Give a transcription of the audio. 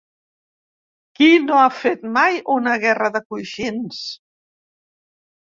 Qui no ha fet mai una guerra de coixins?